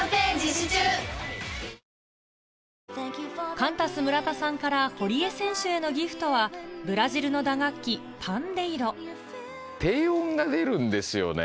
カンタス村田さんから堀江選手へのギフトはブラジルの打楽器パンデイロ低音が出るんですよね。